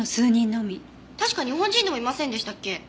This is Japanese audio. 確か日本人でもいませんでしたっけ？